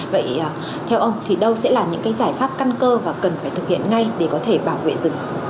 vậy theo ông thì đâu sẽ là những cái giải pháp căn cơ và cần phải thực hiện ngay để có thể bảo vệ rừng